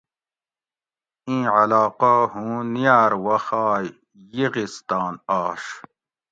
اِیں علاقہ ہُوں نیار وخ آئ یِغستان آش